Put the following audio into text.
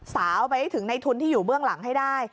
สาวไปให้ถึงในทุนที่อยู่เบื้องหลังให้ได้